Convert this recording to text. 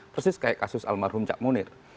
persis kayak kasus almarhum cak munir